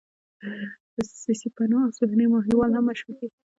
سسي پنو او سوهني ماهيوال هم مشهور دي.